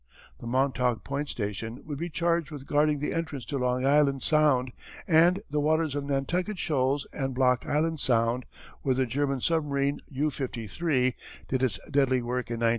The Montauk Point station would be charged with guarding the entrance to Long Island Sound and, the waters of Nantucket shoals and Block Island Sound where the German submarine U 53 did its deadly work in 1916.